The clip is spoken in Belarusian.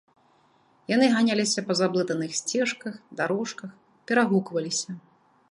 Яны ганяліся па заблытаных сцежках, дарожках, перагукваліся.